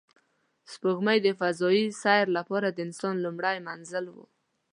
سپوږمۍ د فضایي سیر لپاره د انسان لومړی منزل و